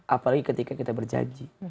apalagi ketika kita berjanji